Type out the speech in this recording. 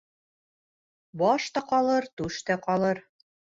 Баш та ҡалыр, түш тә ҡалыр